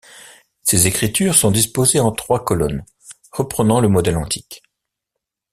Ces écritures sont disposées en trois colonnes, reprenant le modèle antique.